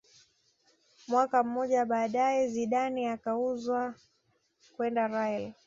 Mwaka mmoja baadaye Zidane akauzwa kwenda real